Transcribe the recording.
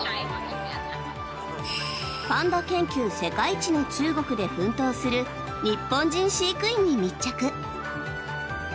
パンダ研究世界一の中国で奮闘する日本人飼育員に密着。